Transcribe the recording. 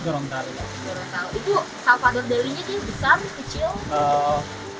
dorong tali itu salvador deli nya besar atau kecil